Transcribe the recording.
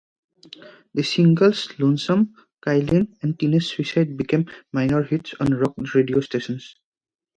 The singles "Lonesome," "Cailin," and "Teenage Suicide" became minor hits on rock radio stations.